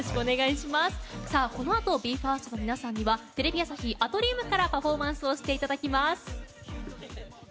このあとＢＥ：ＦＩＲＳＴの皆さんにはテレビ朝日アトリウムからパフォーマンスをしていただきます。